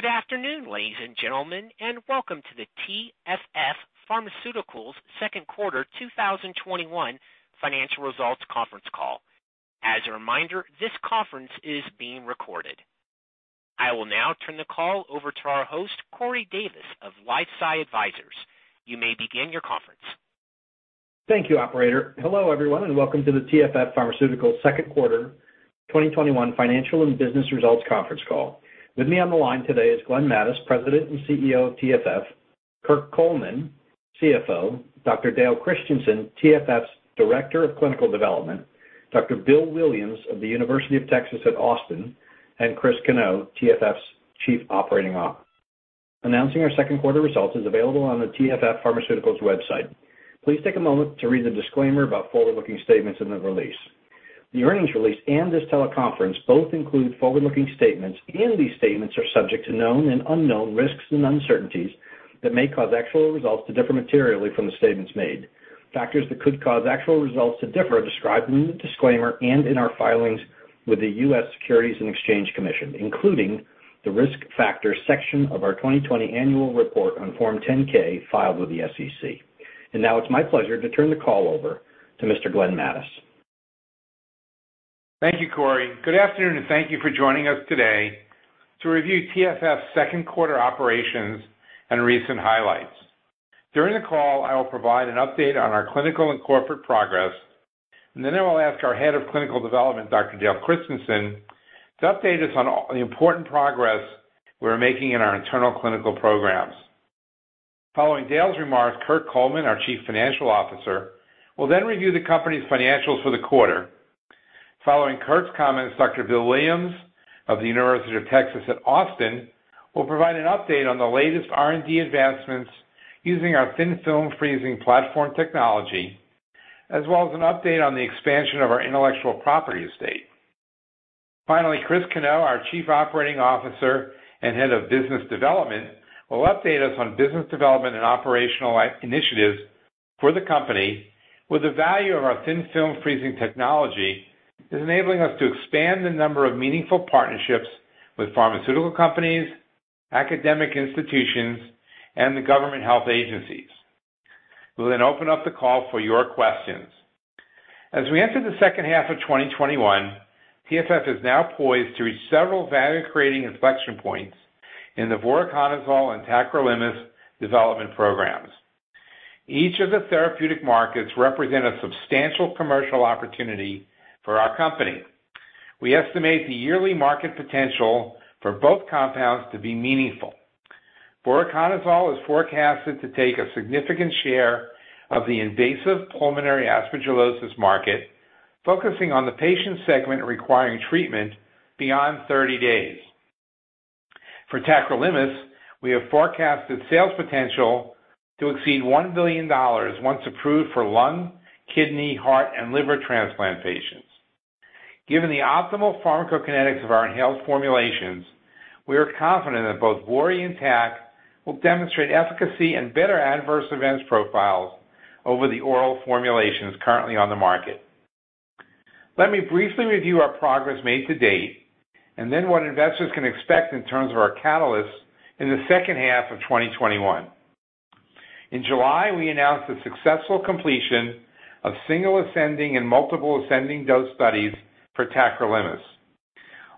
Good afternoon, ladies and gentlemen, and welcome to the TFF Pharmaceuticals second quarter 2021 financial results conference call. As a reminder, this conference is being recorded. I will now turn the call over to our host, Corey Davis of LifeSci Advisors. You may begin your conference. Thank you, operator. Hello, everyone, welcome to the TFF Pharmaceuticals second quarter 2021 financial and business results conference call. With me on the line today is Glenn Mattes, president and CEO of TFF, Kirk Coleman, CFO, Dr. Dale Christensen, TFF's Director of Clinical Development, Dr. Bill Williams of the University of Texas at Austin, and Chris Cano, TFF's Chief Operating Officer. Announcing our second quarter results is available on the TFF Pharmaceuticals website. Please take a moment to read the disclaimer about forward-looking statements in the release. The earnings release and this teleconference both include forward-looking statements, and these statements are subject to known and unknown risks and uncertainties that may cause actual results to differ materially from the statements made. Factors that could cause actual results to differ are described in the disclaimer and in our filings with the U.S. Securities and Exchange Commission, including the risk factors section of our 2020 annual report on Form 10-K filed with the SEC. Now it's my pleasure to turn the call over to Mr. Glenn Mattes. Thank you, Corey. Good afternoon, and thank you for joining us today to review TFF's second quarter operations and recent highlights. During the call, I will provide an update on our clinical and corporate progress, and then I will ask our Head of Clinical Development, Dr. Dale Christensen, to update us on the important progress we're making in our internal clinical programs. Following Dale's remarks, Kirk Coleman, our Chief Financial Officer, will then review the company's financials for the quarter. Following Kirk's comments, Dr. Bill Williams of the University of Texas at Austin will provide an update on the latest R&D advancements using our Thin Film Freezing platform technology, as well as an update on the expansion of our intellectual property estate. Finally, Chris Cano, our Chief Operating Officer and Head of Business Development, will update us on business development and operational initiatives for the company with the value of our Thin Film Freezing technology, is enabling us to expand the number of meaningful partnerships with pharmaceutical companies, academic institutions, and the government health agencies. We'll then open up the call for your questions. As we enter the second half of 2021, TFF is now poised to reach several value-creating inflection points in the voriconazole and tacrolimus development programs. Each of the therapeutic markets represent a substantial commercial opportunity for our company. We estimate the yearly market potential for both compounds to be meaningful. Voriconazole is forecasted to take a significant share of the invasive pulmonary aspergillosis market, focusing on the patient segment requiring treatment beyond 30 days. For tacrolimus, we have forecasted sales potential to exceed $1 billion once approved for lung, kidney, heart, and liver transplant patients. Given the optimal pharmacokinetics of our inhaled formulations, we are confident that both VORI and TAC will demonstrate efficacy and better adverse events profiles over the oral formulations currently on the market. Let me briefly review our progress made to date, and then what investors can expect in terms of our catalysts in the second half of 2021. In July, we announced the successful completion of single ascending and multiple-ascending dose studies for tacrolimus.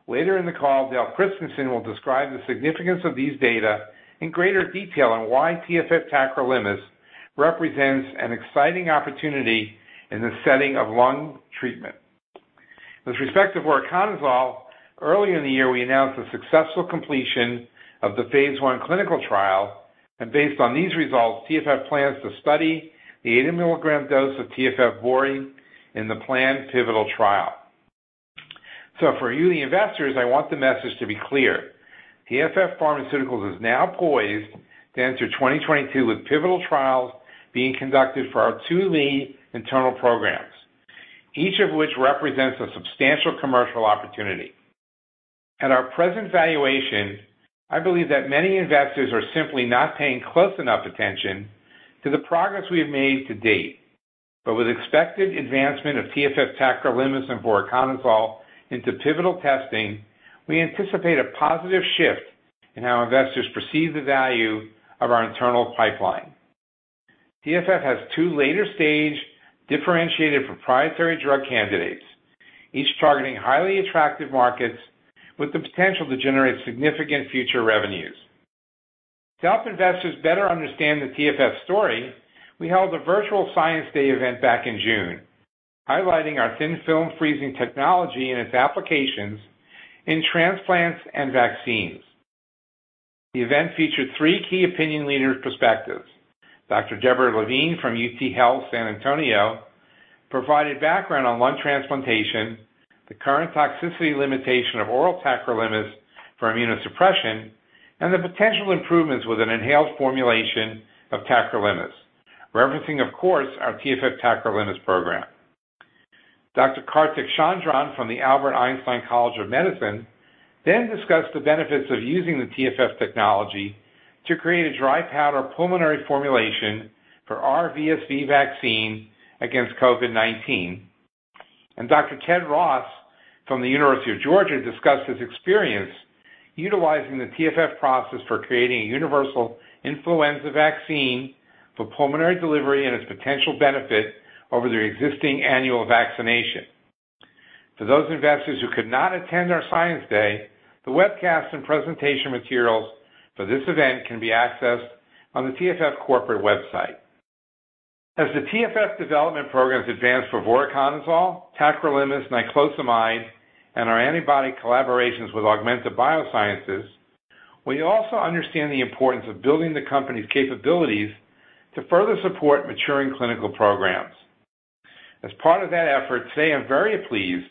Later in the call, Dale Christensen will describe the significance of these data in greater detail on why TFF tacrolimus represents an exciting opportunity in the setting of lung treatment. With respect to voriconazole, earlier in the year, we announced the successful completion of the phase I clinical trial. Based on these results, TFF plans to study the 80 mg dose of TFF VORI in the planned pivotal trial. For you, the investors, I want the message to be clear. TFF Pharmaceuticals is now poised to enter 2022 with pivotal trials being conducted for our two lead internal programs, each of which represents a substantial commercial opportunity. At our present valuation, I believe that many investors are simply not paying close enough attention to the progress we have made to date. With expected advancement of TFF TAC and voriconazole into pivotal testing, we anticipate a positive shift in how investors perceive the value of our internal pipeline. TFF has two later-stage differentiated proprietary drug candidates, each targeting highly attractive markets with the potential to generate significant future revenues. To help investors better understand the TFF story, we held a virtual science day event back in June, highlighting our Thin Film Freezing technology and its applications in transplants and vaccines. The event featured three key opinion leader perspectives. Dr. Deborah Levine from UT Health San Antonio provided background on lung transplantation, the current toxicity limitation of oral tacrolimus for immunosuppression, and the potential improvements with an inhaled formulation of tacrolimus, referencing of course, our TFF tacrolimus program. Dr. Kartik Chandran from the Albert Einstein College of Medicine discussed the benefits of using the TFF technology to create a dry powder pulmonary formulation for our VSV vaccine against COVID-19. Dr. Ted Ross from the University of Georgia discussed his experience utilizing the TFF process for creating a universal influenza vaccine for pulmonary delivery and its potential benefit over the existing annual vaccination. For those investors who could not attend our science day, the webcast and presentation materials for this event can be accessed on the TFF corporate website. As the TFF development programs advance for voriconazole, tacrolimus, niclosamide, and our antibody collaborations with Augmenta Biosciences, we also understand the importance of building the company's capabilities to further support maturing clinical programs. As part of that effort, today I'm very pleased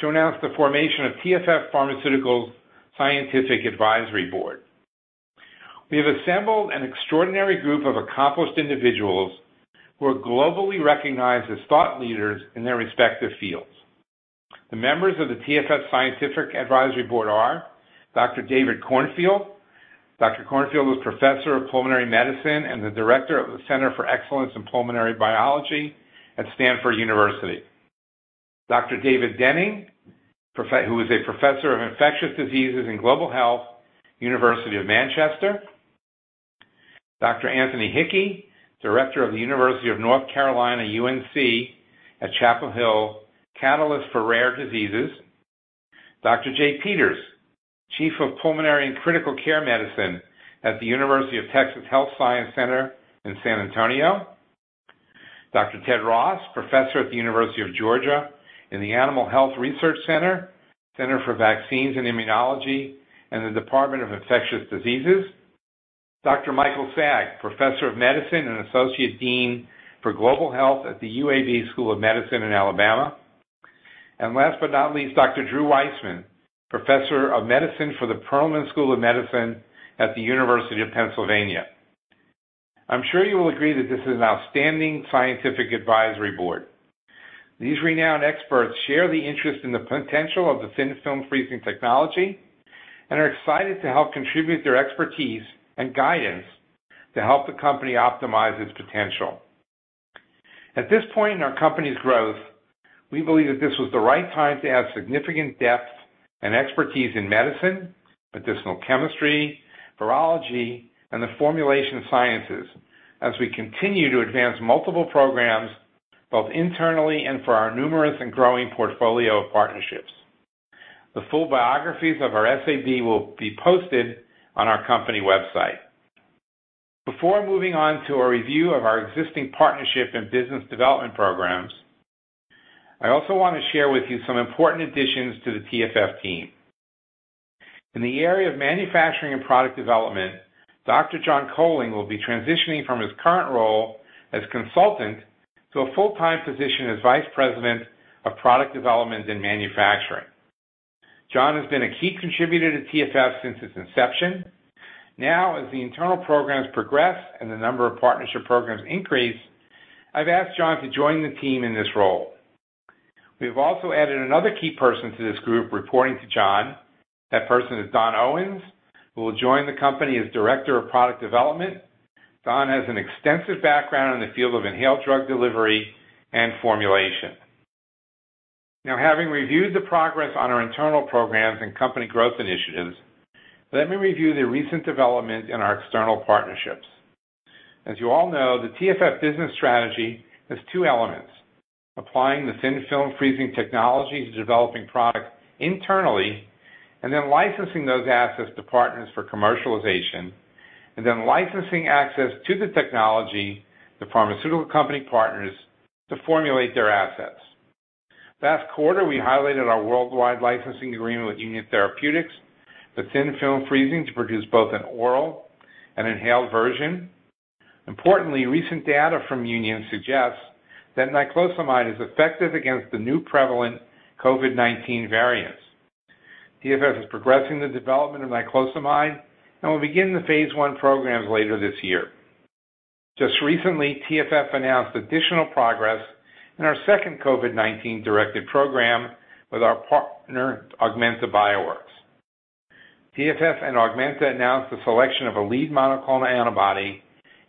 to announce the formation of TFF Pharmaceuticals Scientific Advisory Board. We have assembled an extraordinary group of accomplished individuals who are globally recognized as thought leaders in their respective fields. The members of the TFF Scientific Advisory Board are Dr. David Cornfield, Dr. Cornfield was professor of Pulmonary Medicine and the Director of the Center for Excellence in Pulmonary Biology at Stanford University. Dr. David Denning, who is a Professor of Infectious Diseases and Global Health, University of Manchester. Dr. Anthony Hickey, Director of the University of North Carolina, UNC at Chapel Hill, Catalyst for Rare Diseases. Dr. Jay Peters, Chief of Pulmonary and Critical Care Medicine at the University of Texas Health Science Center at San Antonio. Dr. Ted Ross, professor at the University of Georgia in the Animal Health Research Center for Vaccines and Immunology, and the Department of Infectious Diseases. Dr. Michael Saag, Professor of Medicine and Associate Dean for Global Health at the UAB School of Medicine in Alabama. And last but not least, Dr. Drew Weissman, Professor of Medicine for the Perelman School of Medicine at the University of Pennsylvania. I'm sure you will agree that this is an outstanding Scientific Advisory Board. These renowned experts share the interest in the potential of the Thin Film Freezing technology and are excited to help contribute their expertise and guidance to help the company optimize its potential. At this point in our company's growth, we believe that this was the right time to add significant depth and expertise in medicine, medicinal chemistry, virology, and the formulation sciences as we continue to advance multiple programs both internally and for our numerous and growing portfolio of partnerships. The full biographies of our SAB will be posted on our company website. Before moving on to a review of our existing partnership and business development programs, I also want to share with you some important additions to the TFF team. In the area of manufacturing and product development, Dr. John Collins will be transitioning from his current role as consultant to a full-time position as Vice President of Product Development and Manufacturing. John has been a key contributor to TFF since its inception. As the internal programs progress and the number of partnership programs increase, I've asked John to join the team in this role. We have also added another key person to this group, reporting to John. That person is Don Owens, who will join the company as Director of Product Development. Don has an extensive background in the field of inhaled drug delivery and formulation. Having reviewed the progress on our internal programs and company growth initiatives, let me review the recent development in our external partnerships. As you all know, the TFF business strategy has two elements. Applying the Thin Film Freezing technology to developing products internally, and then licensing those assets to partners for commercialization, and then licensing access to the technology to pharmaceutical company partners to formulate their assets. Last quarter, we highlighted our worldwide licensing agreement with UNION therapeutics for Thin Film Freezing to produce both an oral and inhaled version. Importantly, recent data from UNION suggests that niclosamide is effective against the new prevalent COVID-19 variants. TFF is progressing the development of niclosamide and will begin the phase I programs later this year. Just recently, TFF announced additional progress in our second COVID-19-directed program with our partner, Augmenta Bioworks. TFF and Augmenta announced the selection of a lead monoclonal antibody,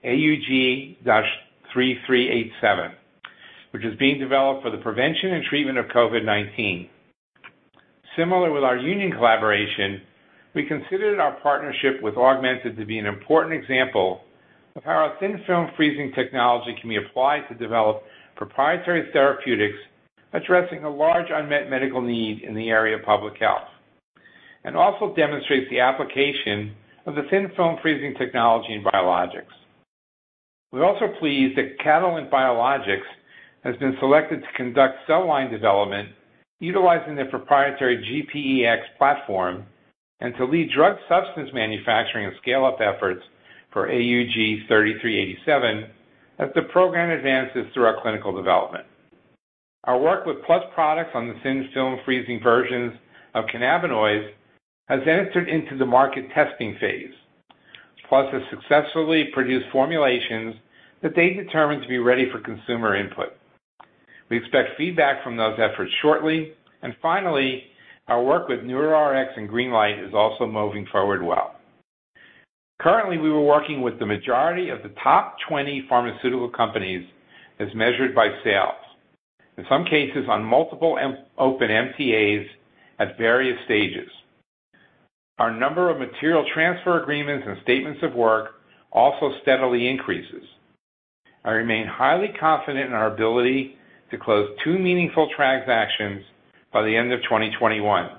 AUG-3387, which is being developed for the prevention and treatment of COVID-19. Similar with our UNION collaboration, we considered our partnership with Augmenta to be an important example of how our Thin Film Freezing technology can be applied to develop proprietary therapeutics addressing a large unmet medical need in the area of public health, and also demonstrates the application of the Thin Film Freezing technology in biologics. We're also pleased that Catalent Biologics has been selected to conduct cell line development utilizing their proprietary GPEX platform and to lead drug substance manufacturing and scale-up efforts for AUG-3387 as the program advances through our clinical development. Our work with PLUS Products on the Thin Film Freezing versions of cannabinoids has entered into the market testing phase. PLUS has successfully produced formulations that they determine to be ready for consumer input. We expect feedback from those efforts shortly. Finally, our work with NeuroRx and GreenLight is also moving forward well. Currently, we were working with the majority of the top 20 pharmaceutical companies as measured by sales, in some cases on multiple open MTAs at various stages. Our number of material transfer agreements and statements of work also steadily increases. I remain highly confident in our ability to close two meaningful transactions by the end of 2021.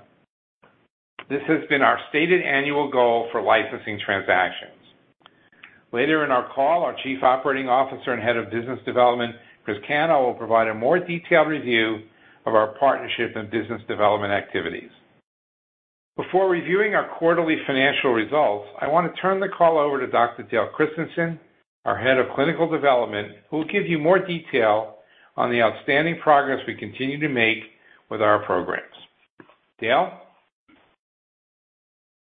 This has been our stated annual goal for licensing transactions. Later in our call, our Chief Operating Officer and Head of Business Development, Chris Cano, will provide a more detailed review of our partnership and business development activities. Before reviewing our quarterly financial results, I want to turn the call over to Dr. Dale Christensen, our head of clinical development, who will give you more detail on the outstanding progress we continue to make with our programs. Dale?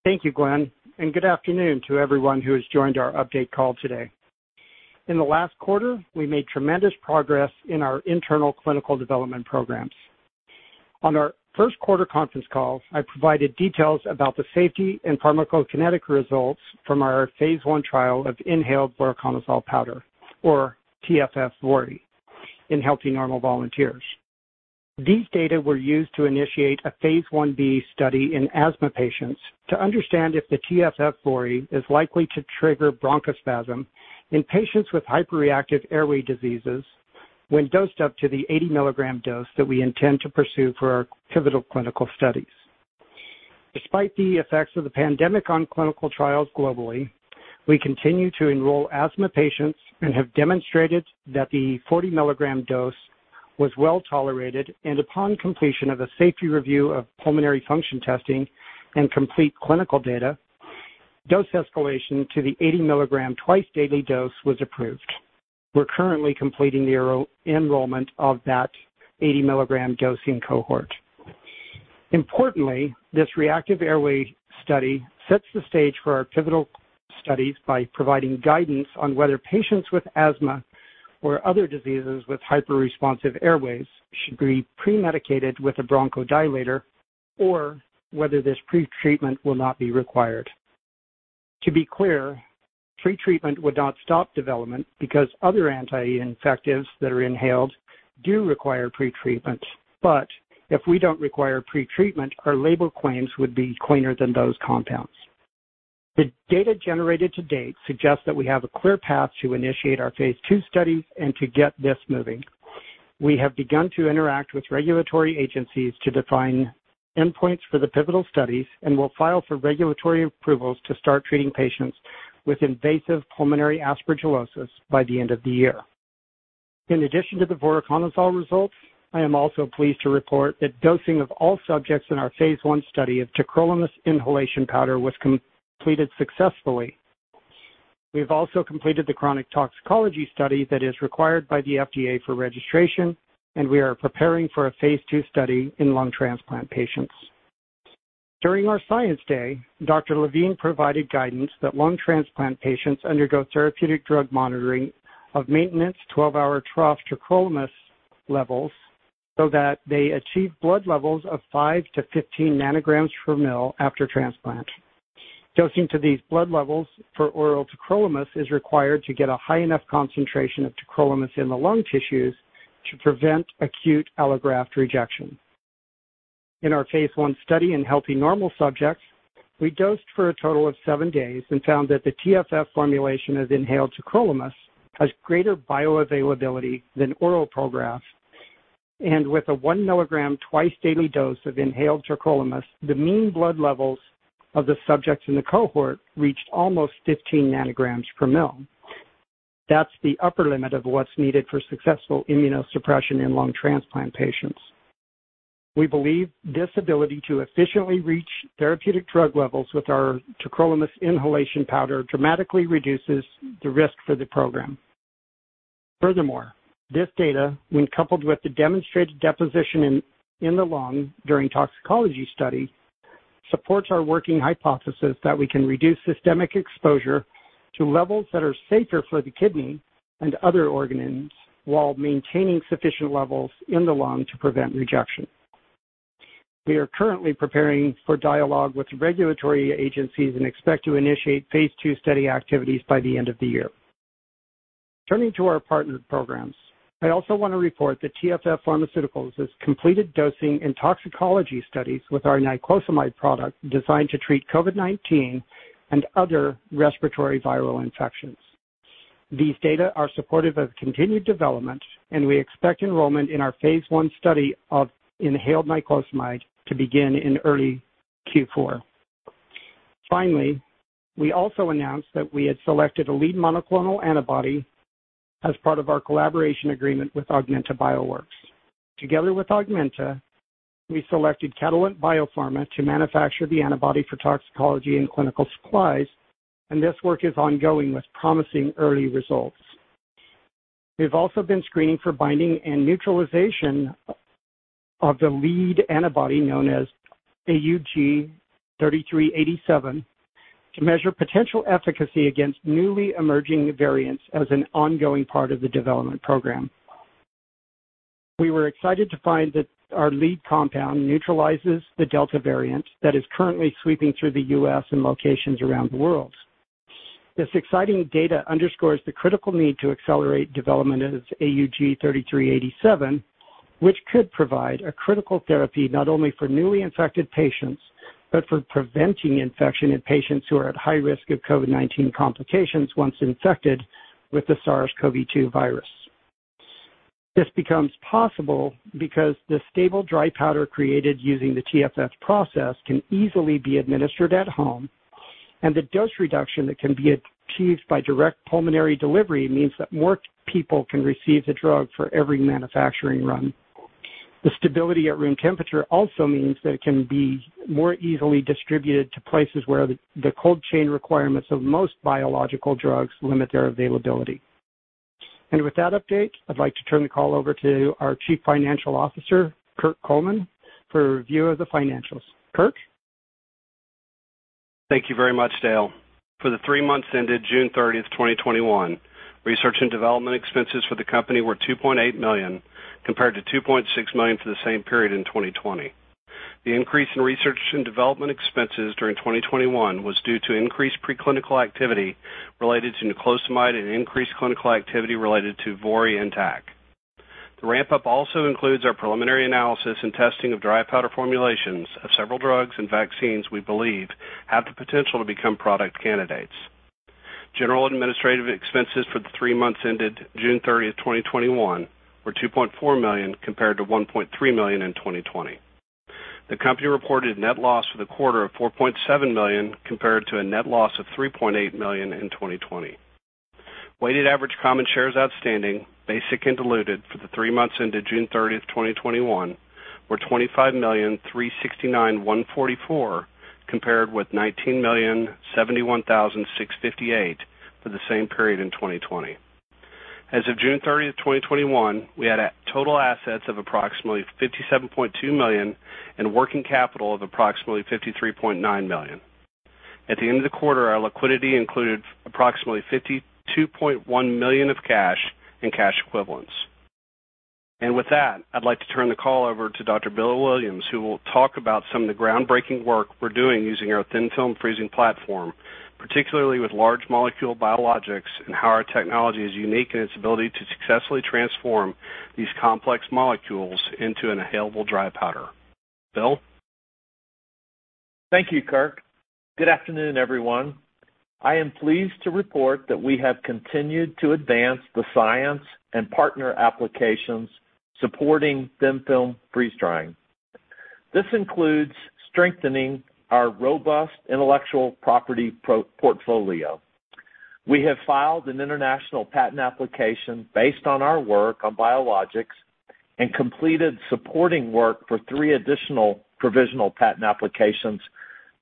Thank you, Glenn, good afternoon to everyone who has joined our update call today. In the last quarter, we made tremendous progress in our internal clinical development programs. On our first quarter conference call, I provided details about the safety and pharmacokinetic results from our phase I trial of inhaled voriconazole powder, or TFF VORI, in healthy normal volunteers. These data were used to initiate a phase Ib study in asthma patients to understand if the TFF VORI is likely to trigger bronchospasm in patients with hyperreactive airway diseases when dosed up to the 80 mg dose that we intend to pursue for our pivotal clinical studies. Despite the effects of the pandemic on clinical trials globally, we continue to enroll asthma patients and have demonstrated that the 40 mg dose was well-tolerated and upon completion of a safety review of pulmonary function testing and complete clinical data, dose escalation to the 80 mg twice daily dose was approved. We're currently completing the enrollment of that 80 mg dosing cohort. Importantly, this reactive airway study sets the stage for our pivotal studies by providing guidance on whether patients with asthma or other diseases with hyperresponsive airways should be pre-medicated with a bronchodilator or whether this pre-treatment will not be required. To be clear, pre-treatment would not stop development because other anti-infectives that are inhaled do require pre-treatment. If we don't require pre-treatment, our label claims would be cleaner than those compounds. The data generated to date suggests that we have a clear path to initiate our phase II studies and to get this moving. We have begun to interact with regulatory agencies to define endpoints for the pivotal studies and will file for regulatory approvals to start treating patients with invasive pulmonary aspergillosis by the end of the year. In addition to the voriconazole results, I am also pleased to report that dosing of all subjects in our phase I study of tacrolimus inhalation powder was completed successfully. We've also completed the chronic toxicology study that is required by the FDA for registration, and we are preparing for a phase II study in lung transplant patients. During our science day, Dr. Levine provided guidance that lung transplant patients undergo therapeutic drug monitoring of maintenance 12-hour trough tacrolimus levels so that they achieve blood levels of 5-15 ng per mil after transplant. Dosing to these blood levels for oral tacrolimus is required to get a high enough concentration of tacrolimus in the lung tissues to prevent acute allograft rejection. In our phase I study in healthy normal subjects, we dosed for a total of seven days and found that the TFF formulation of inhaled tacrolimus has greater bioavailability than oral PROGRAF and with a 1 mg twice daily dose of inhaled tacrolimus, the mean blood levels of the subjects in the cohort reached almost 15 ng per mil. That's the upper limit of what's needed for successful immunosuppression in lung transplant patients. We believe this ability to efficiently reach therapeutic drug levels with our tacrolimus inhalation powder dramatically reduces the risk for the program. Furthermore, this data, when coupled with the demonstrated deposition in the lung during toxicology study, supports our working hypothesis that we can reduce systemic exposure to levels that are safer for the kidney and other organs while maintaining sufficient levels in the lung to prevent rejection. We are currently preparing for dialogue with regulatory agencies and expect to initiate phase II study activities by the end of the year. Turning to our partner programs, I also want to report that TFF Pharmaceuticals has completed dosing and toxicology studies with our niclosamide product designed to treat COVID-19 and other respiratory viral infections. These data are supportive of continued development and we expect enrollment in our phase I study of inhaled niclosamide to begin in early Q4. We also announced that we had selected a lead monoclonal antibody as part of our collaboration agreement with Augmenta Bioworks. Together with Augmenta, we selected Catalent Biopharma to manufacture the antibody for toxicology and clinical supplies. This work is ongoing with promising early results. We've also been screening for binding and neutralization of the lead antibody known as AUG-3387 to measure potential efficacy against newly emerging variants as an ongoing part of the development program. We were excited to find that our lead compound neutralizes the Delta variant that is currently sweeping through the U.S. and locations around the world. This exciting data underscores the critical need to accelerate development of AUG-3387, which could provide a critical therapy not only for newly infected patients, but for preventing infection in patients who are at high risk of COVID-19 complications once infected with the SARS-CoV-2 virus. This becomes possible because the stable, dry powder created using the TFF process can easily be administered at home, the dose reduction that can be achieved by direct pulmonary delivery means that more people can receive the drug for every manufacturing run. The stability at room temperature also means that it can be more easily distributed to places where the cold chain requirements of most biological drugs limit their availability. With that update, I'd like to turn the call over to our Chief Financial Officer, Kirk Coleman, for a review of the financials. Kirk? Thank you very much, Dale. For the three months ended June 30th, 2021, research and development expenses for the company were $2.8 million, compared to $2.6 million for the same period in 2020. The increase in research and development expenses during 2021 was due to increased preclinical activity related to niclosamide and increased clinical activity related to VORI and TAC. The ramp-up also includes our preliminary analysis and testing of dry powder formulations of several drugs and vaccines we believe have the potential to become product candidates. General administrative expenses for the three months ended June 30th, 2021 were $2.4 million, compared to $1.3 million in 2020. The company reported net loss for the quarter of $4.7 million, compared to a net loss of $3.8 million in 2020. Weighted average common shares outstanding, basic and diluted, for the three months ended June 30th, 2021 were 25,369,144 compared with 19,071,658 for the same period in 2020. As of June 30th, 2021, we had total assets of approximately $57.2 million and working capital of approximately $53.9 million. At the end of the quarter, our liquidity included approximately $52.1 million of cash and cash equivalents. With that, I'd like to turn the call over to Dr. Bill Williams, who will talk about some of the groundbreaking work we're doing using our Thin Film Freezing platform, particularly with large molecule biologics, and how our technology is unique in its ability to successfully transform these complex molecules into an inhalable dry powder. Bill? Thank you, Kirk. Good afternoon, everyone. I am pleased to report that we have continued to advance the science and partner applications supporting thin-film freeze-drying. This includes strengthening our robust intellectual property portfolio. We have filed an international patent application based on our work on biologics and completed supporting work for three additional provisional patent applications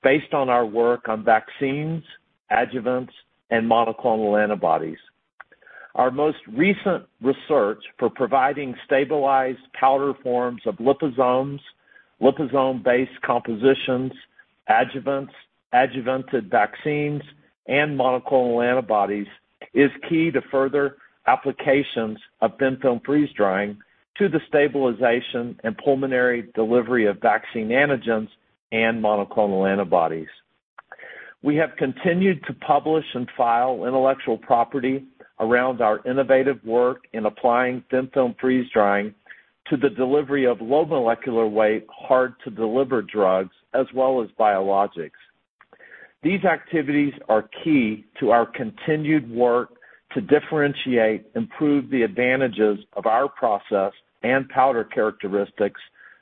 based on our work on vaccines, adjuvants, and monoclonal antibodies. Our most recent research for providing stabilized powder forms of liposomes, liposome-based compositions, adjuvants, adjuvanted vaccines, and monoclonal antibodies is key to further applications of thin-film freeze-drying to the stabilization and pulmonary delivery of vaccine antigens and monoclonal antibodies. We have continued to publish and file intellectual property around our innovative work in applying thin-film freeze-drying to the delivery of low molecular weight, hard to deliver drugs as well as biologics. These activities are key to our continued work to differentiate, improve the advantages of our process and powder characteristics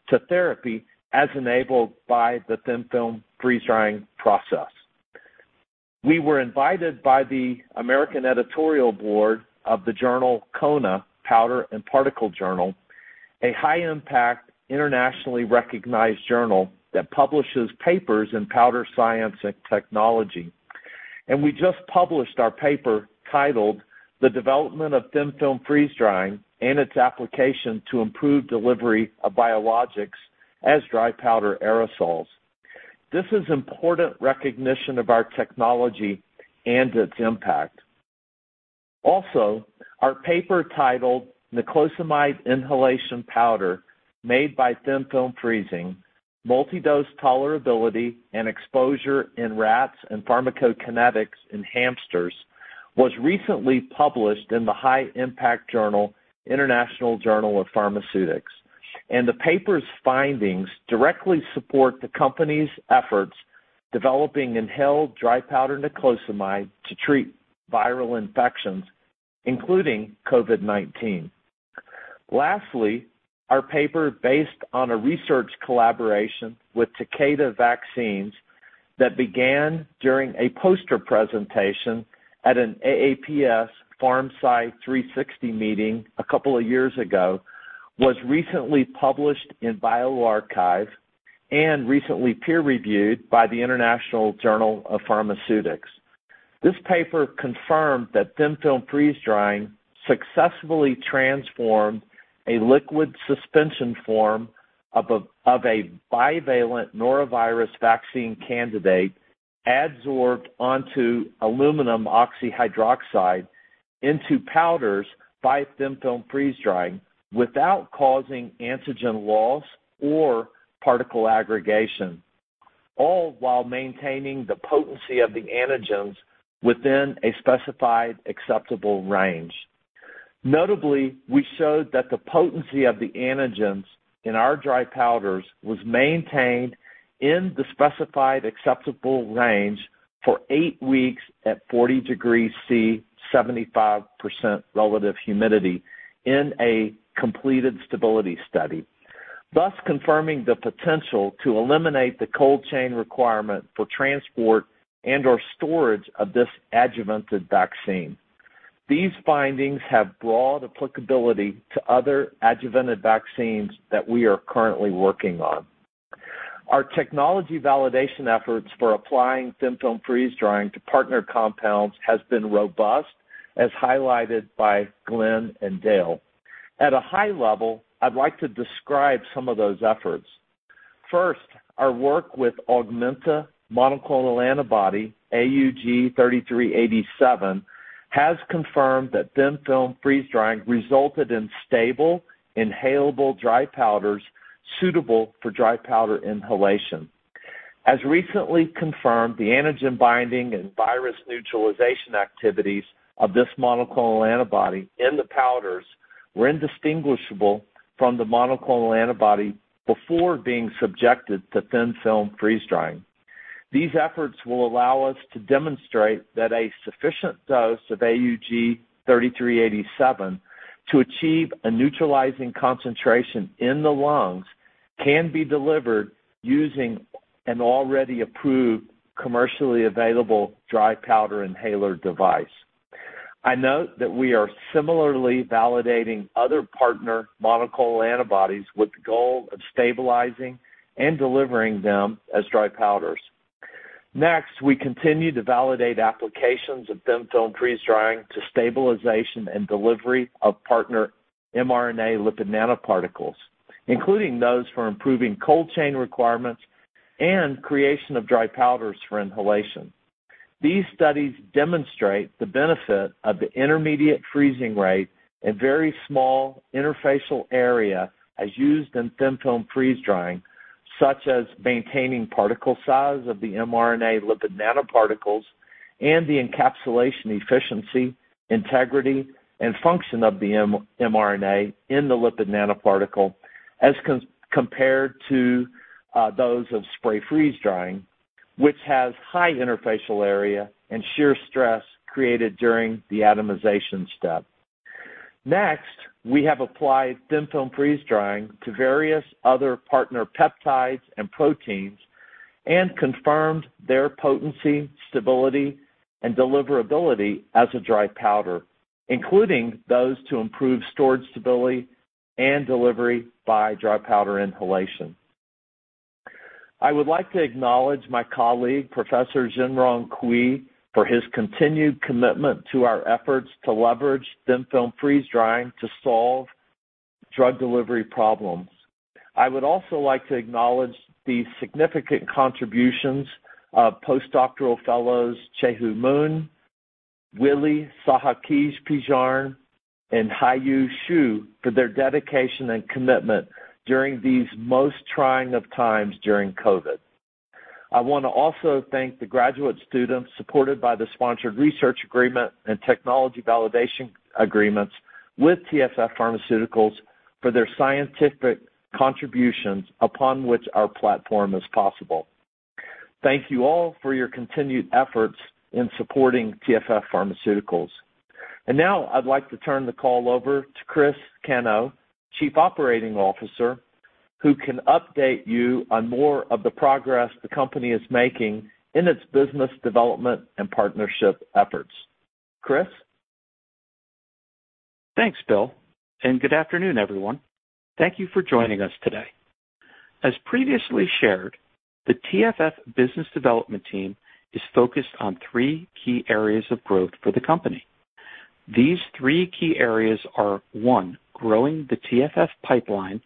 to therapy as enabled by the thin-film freeze-drying process. We were invited by the American editorial board of the journal, KONA Powder and Particle Journal, a high impact, internationally recognized journal that publishes papers in powder science and technology, and we just published our paper titled: The Development of Thin-Film Freeze-Drying and its Application to Improve Delivery of Biologics as Dry Powder Aerosols. This is important recognition of our technology and its impact. Also, our paper titled: Niclosamide Inhalation Powder Made by Thin Film Freezing, Multidose Tolerability and Exposure in Rats and Pharmacokinetics in Hamsters, was recently published in the high impact journal, International Journal of Pharmaceutics, and the paper's findings directly support the company's efforts developing inhaled dry powder niclosamide to treat viral infections, including COVID-19. Lastly, our paper, based on a research collaboration with Takeda Vaccines that began during a poster presentation at an AAPS PharmSci 360 meeting a couple of years ago, was recently published in bioRxiv and recently peer reviewed by the International Journal of Pharmaceutics. This paper confirmed that thin-film freeze-drying successfully transformed a liquid suspension form of a bivalent norovirus vaccine candidate adsorbed onto aluminum oxyhydroxide into powders by thin-film freeze-drying without causing antigen loss or particle aggregation, all while maintaining the potency of the antigens within a specified acceptable range. Notably, we showed that the potency of the antigens in our dry powders was maintained in the specified acceptable range for eight weeks at 40 degrees Celsius, 75% relative humidity in a completed stability study, thus confirming the potential to eliminate the cold chain requirement for transport and/or storage of this adjuvanted vaccine. These findings have broad applicability to other adjuvanted vaccines that we are currently working on. Our technology validation efforts for applying thin-film freeze-drying to partner compounds has been robust, as highlighted by Glenn and Dale. At a high level, I'd like to describe some of those efforts. First, our work with Augmenta monoclonal antibody, AUG-3387, has confirmed that thin-film freeze-drying resulted in stable, inhalable dry powders suitable for dry powder inhalation. As recently confirmed, the antigen binding and virus neutralization activities of this monoclonal antibody in the powders were indistinguishable from the monoclonal antibody before being subjected to thin-film freeze-drying. These efforts will allow us to demonstrate that a sufficient dose of AUG-3387 to achieve a neutralizing concentration in the lungs can be delivered using an already approved, commercially available dry powder inhaler device. I note that we are similarly validating other partner monoclonal antibodies with the goal of stabilizing and delivering them as dry powders. Next, we continue to validate applications of thin-film freeze-drying to stabilization and delivery of partner mRNA lipid nanoparticles, including those for improving cold chain requirements and creation of dry powders for inhalation. These studies demonstrate the benefit of the intermediate freezing rate and very small interfacial area as used in thin-film freeze-drying, such as maintaining particle size of the mRNA lipid nanoparticles and the encapsulation efficiency, integrity, and function of the mRNA in the lipid nanoparticle as compared to those of spray freeze-drying, which has high interfacial area and shear stress created during the atomization step. Next, we have applied thin-film freeze-drying to various other partner peptides and proteins and confirmed their potency, stability, and deliverability as a dry powder, including those to improve storage stability and delivery by dry powder inhalation. I would like to acknowledge my colleague, Professor Zhengrong Cui, for his continued commitment to our efforts to leverage thin-film freeze-drying to solve drug delivery problems. I would also like to acknowledge the significant contributions of post-doctoral fellows, Chaeho Moon, Willy Sahakijpijarn, and Haiyue Xu, for their dedication and commitment during these most trying of times during COVID. I want to also thank the graduate students supported by the Sponsored Research Agreement and technology validation agreements with TFF Pharmaceuticals for their scientific contributions upon which our platform is possible. Thank you all for your continued efforts in supporting TFF Pharmaceuticals. Now I'd like to turn the call over to Chris Cano, Chief Operating Officer, who can update you on more of the progress the company is making in its business development and partnership efforts. Chris? Thanks, Bill, and good afternoon, everyone. Thank you for joining us today. As previously shared, the TFF business development team is focused on three key areas of growth for the company. These three key areas are, one, growing the TFF pipeline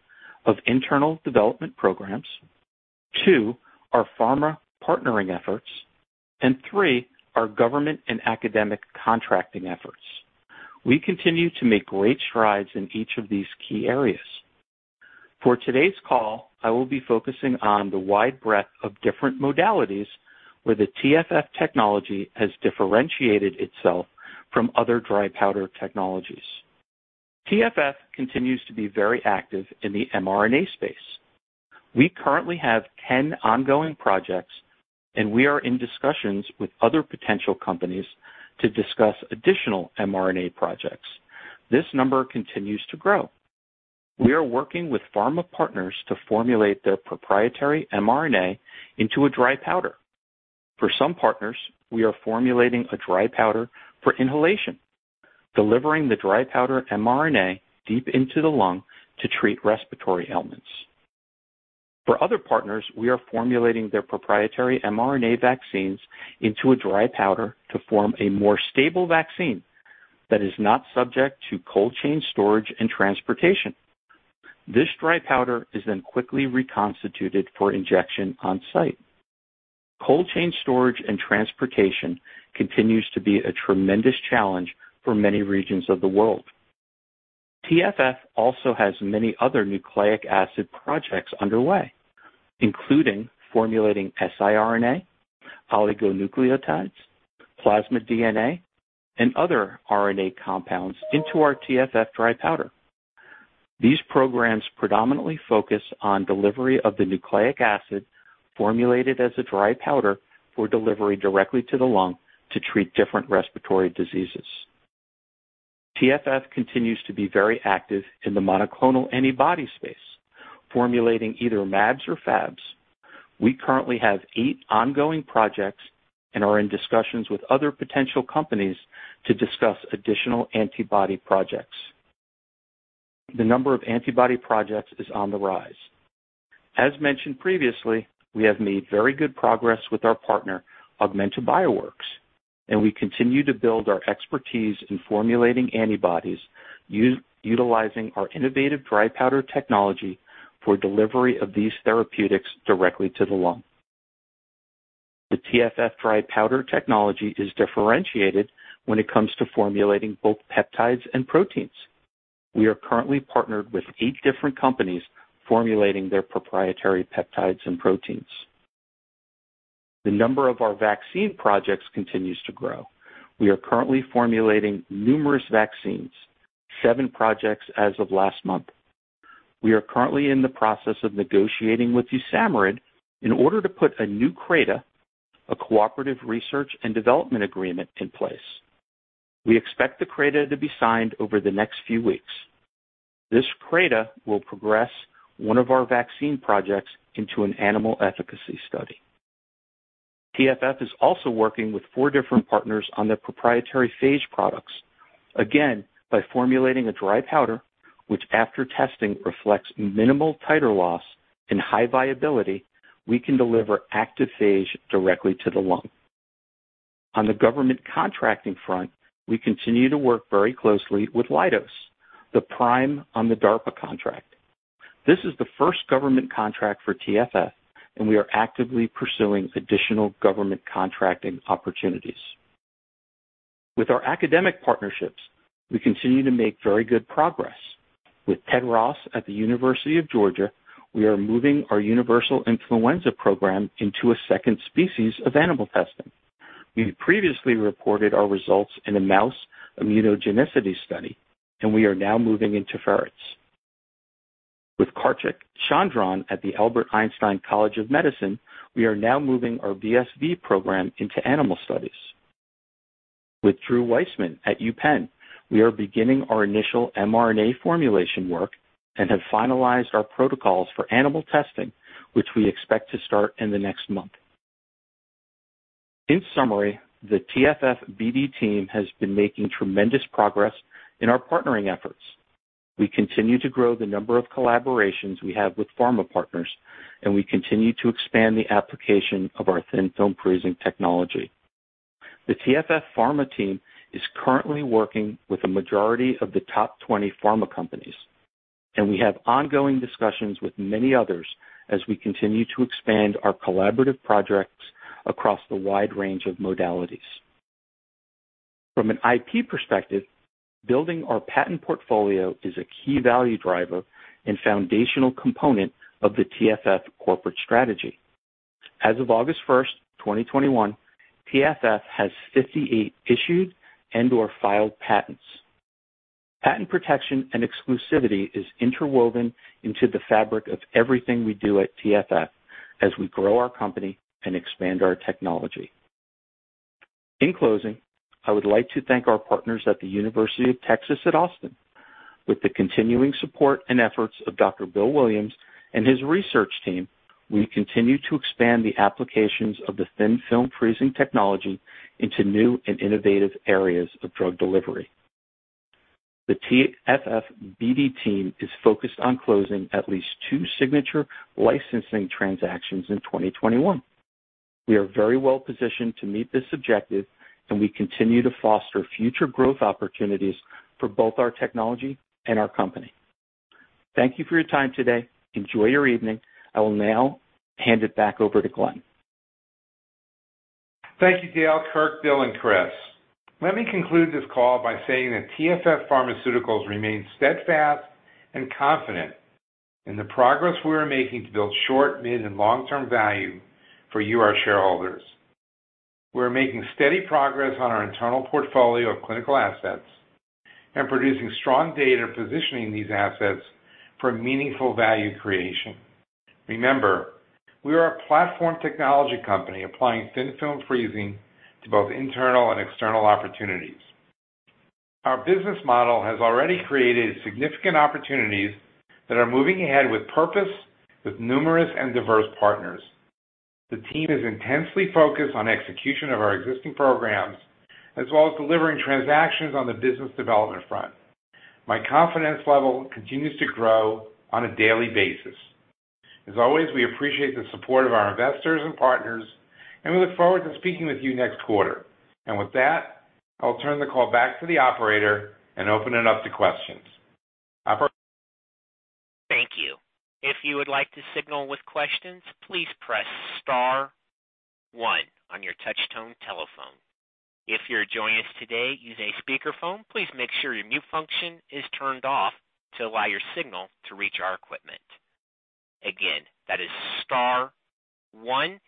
of internal development programs, two, our pharma partnering efforts, and three, our government and academic contracting efforts. We continue to make great strides in each of these key areas. For today's call, I will be focusing on the wide breadth of different modalities where the TFF technology has differentiated itself from other dry powder technologies. TFF continues to be very active in the mRNA space. We currently have 10 ongoing projects, and we are in discussions with other potential companies to discuss additional mRNA projects. This number continues to grow. We are working with pharma partners to formulate their proprietary mRNA into a dry powder. For some partners, we are formulating a dry powder for inhalation, delivering the dry powder mRNA deep into the lung to treat respiratory ailments. For other partners, we are formulating their proprietary mRNA vaccines into a dry powder to form a more stable vaccine that is not subject to cold chain storage and transportation. This dry powder is then quickly reconstituted for injection on site. Cold chain storage and transportation continues to be a tremendous challenge for many regions of the world. TFF also has many other nucleic acid projects underway, including formulating siRNA, oligonucleotides, plasmid DNA, and other RNA compounds into our TFF dry powder. These programs predominantly focus on delivery of the nucleic acid formulated as a dry powder for delivery directly to the lung to treat different respiratory diseases. TFF continues to be very active in the monoclonal antibody space, formulating either mAbs or Fabs. We currently have eight ongoing projects and are in discussions with other potential companies to discuss additional antibody projects. The number of antibody projects is on the rise. As mentioned previously, we have made very good progress with our partner, Augmenta Bioworks, and we continue to build our expertise in formulating antibodies, utilizing our innovative dry powder technology for delivery of these therapeutics directly to the lung. The TFF dry powder technology is differentiated when it comes to formulating both peptides and proteins. We are currently partnered with eight different companies formulating their proprietary peptides and proteins. The number of our vaccine projects continues to grow. We are currently formulating numerous vaccines, seven projects as of last month. We are currently in the process of negotiating with USAMRIID in order to put a new CRADA, a Cooperative Research and Development Agreement, in place. We expect the CRADA to be signed over the next few weeks. This CRADA will progress one of our vaccine projects into an animal efficacy study. TFF is also working with four different partners on their proprietary phage products. Again, by formulating a dry powder, which after testing reflects minimal titer loss and high viability, we can deliver active phage directly to the lung. On the government contracting front, we continue to work very closely with Leidos, the prime on the DARPA contract. This is the first government contract for TFF, and we are actively pursuing additional government contracting opportunities. With our academic partnerships, we continue to make very good progress. With Ted Ross at the University of Georgia, we are moving our universal influenza program into a second species of animal testing. We previously reported our results in a mouse immunogenicity study, and we are now moving into ferrets. With Kartik Chandran at the Albert Einstein College of Medicine, we are now moving our VSV program into animal studies. With Drew Weissman at UPenn, we are beginning our initial mRNA formulation work and have finalized our protocols for animal testing, which we expect to start in the next month. In summary, the TFF BD team has been making tremendous progress in our partnering efforts. We continue to grow the number of collaborations we have with pharma partners, and we continue to expand the application of our Thin Film Freezing technology. The TFF pharma team is currently working with a majority of the top 20 pharma companies, and we have ongoing discussions with many others as we continue to expand our collaborative projects across the wide range of modalities. From an IP perspective, building our patent portfolio is a key value driver and foundational component of the TFF corporate strategy. As of August first, 2021, TFF has 58 issued and/or filed patents. Patent protection and exclusivity is interwoven into the fabric of everything we do at TFF as we grow our company and expand our technology. In closing, I would like to thank our partners at the University of Texas at Austin. With the continuing support and efforts of Dr. Bill Williams and his research team, we continue to expand the applications of the Thin Film Freezing technology into new and innovative areas of drug delivery. The TFF BD team is focused on closing at least two signature licensing transactions in 2021. We are very well positioned to meet this objective, and we continue to foster future growth opportunities for both our technology and our company. Thank you for your time today. Enjoy your evening. I will now hand it back over to Glenn. Thank you, Dale, Kirk, Bill, and Chris. Let me conclude this call by saying that TFF Pharmaceuticals remains steadfast and confident in the progress we are making to build short, mid, and long-term value for you, our shareholders. We are making steady progress on our internal portfolio of clinical assets and producing strong data positioning these assets for meaningful value creation. Remember, we are a platform technology company applying Thin Film Freezing to both internal and external opportunities. Our business model has already created significant opportunities that are moving ahead with purpose with numerous and diverse partners. The team is intensely focused on execution of our existing programs as well as delivering transactions on the business development front. My confidence level continues to grow on a daily basis. As always, we appreciate the support of our investors and partners, and we look forward to speaking with you next quarter. With that, I'll turn the call back to the operator and open it up to questions. Operator? Thank you. If you would like to signal with questions, please press star one on your touchtone telephone. If you're joining us today using a speakerphone, please make sure your mute function is turned off to allow your signal to reach our equipment. Again, that is star one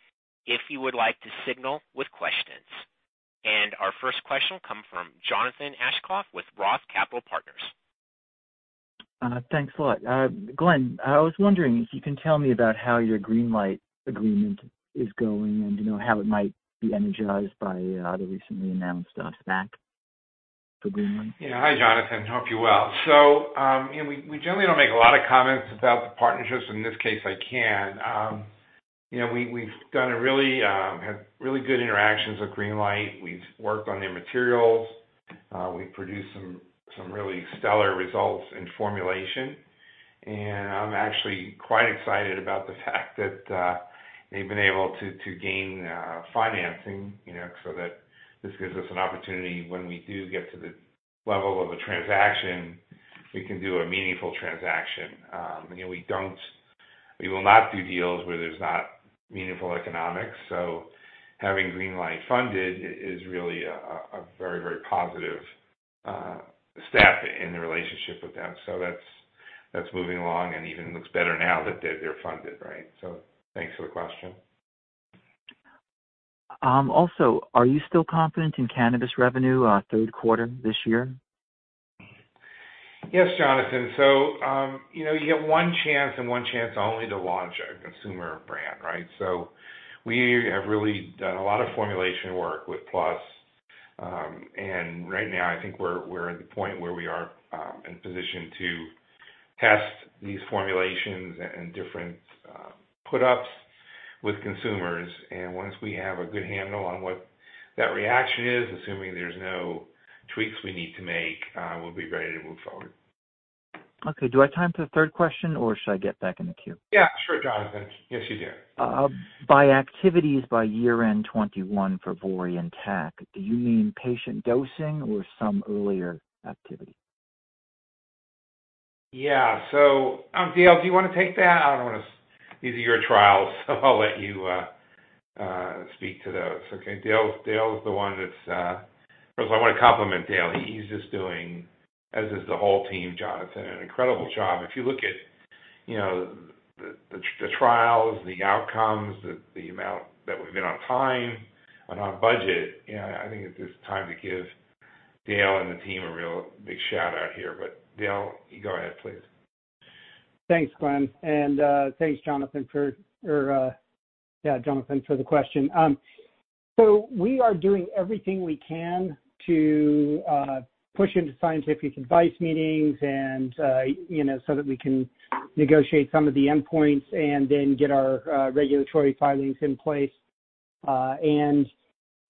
if you would like to signal with questions. Our first question come from Jonathan Aschoff with Roth Capital Partners. Thanks a lot. Glenn, I was wondering if you can tell me about how your GreenLight agreement is going and how it might be energized by the recently announced, SPAC? Yeah. Hi, Jonathan. Hope you're well. We generally don't make a lot of comments about the partnerships. In this case, I can. We've had really good interactions with GreenLight. We've worked on their materials. We've produced some really stellar results in formulation. I'm actually quite excited about the fact that they've been able to gain financing, so that this gives us an opportunity when we do get to the level of a transaction, we can do a meaningful transaction. We will not do deals where there's not meaningful economics. Having GreenLight funded is really a very positive step in the relationship with them. That's moving along and even looks better now that they're funded. Thanks for the question. Are you still confident in cannabis revenue, third quarter this year? Yes, Jonathan. You get one chance and one chance only to launch a consumer brand, right? We have really done a lot of formulation work with PLUS. Right now, I think we're at the point where we are in position to test these formulations and different put-ups with consumers, and once we have a good handle on what that reaction is, assuming there's no tweaks we need to make, we'll be ready to move forward. Okay. Do I have time for the third question, or should I get back in the queue? Yeah. Sure, Jonathan. Yes, you do. By activities by year-end 2021 for VORI and TAC, do you mean patient dosing or some earlier activity? Yeah. Dale, do you want to take that? These are your trials, I'll let you speak to those. Okay. First, I want to compliment Dale. He's just doing, as is the whole team, Jonathan, an incredible job. If you look at the trials, the outcomes, the amount that we've been on time and on budget, I think it is time to give Dale and the team a real big shout-out here. Dale, you go ahead, please. Thanks, Glenn, and thanks, Jonathan, for the question. We are doing everything we can to push into scientific advice meetings so that we can negotiate some of the endpoints and then get our regulatory filings in place.